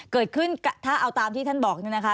เกิดขึ้นถ้าเอาตามที่ท่านบอกเนี่ยนะคะ